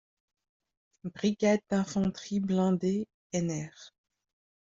Brigade d'infanterie blindée nr.